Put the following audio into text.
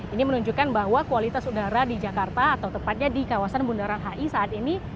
ini menunjukkan bahwa kualitas udara di jakarta atau tepatnya di kawasan bundaran hi saat ini